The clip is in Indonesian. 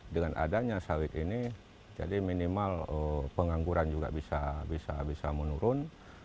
dengan adanya sawit ini minimal pengangguran bisa menurun